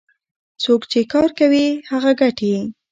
څوک چې کار کوي هغه ګټي.